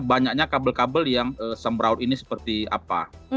banyaknya kabel kabel yang sembraut ini seperti apa